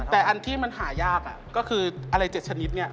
แต่อันที่มันหายากก็คืออะไร๗ชนิดเนี่ย